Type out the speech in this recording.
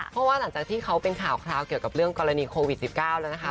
เพราะว่าหลังจากที่เขาเป็นข่าวคราวเกี่ยวกับเรื่องกรณีโควิด๑๙แล้วนะคะ